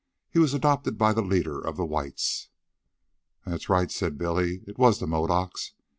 He was adopted by the leader of the whites." "That's right," said Billy. "It was the Modocs.